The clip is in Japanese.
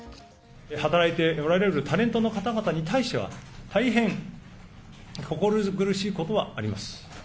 働いておられるタレントの方々に対しては、大変心苦しいことはあります。